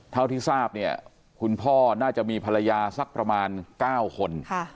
เท่าที่ทราบเนี่ยคุณพ่อน่าจะมีภรรยาสักประมาณ๙คน